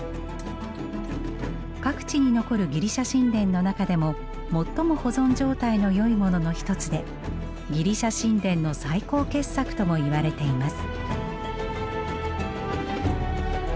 各地に残るギリシャ神殿の中でも最も保存状態のよいものの一つでギリシャ神殿の最高傑作とも言われています。